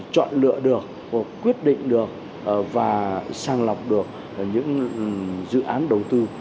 chọn lựa được quyết định được và sang lọc được những dự án đầu tư